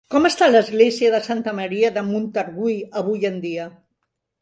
Com està l'església de Santa Maria de Montargull avui en dia?